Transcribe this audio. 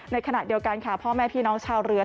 ในขณะเดียวกันค่ะพ่อแม่พี่น้องชาวเรือ